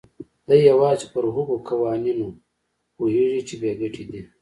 دی يوازې پر هغو قوانينو پوهېږي چې بې ګټې دي.